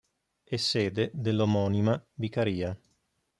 È sede dell'omonima vicaria.